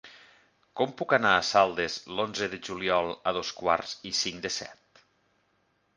Com puc anar a Saldes l'onze de juliol a dos quarts i cinc de set?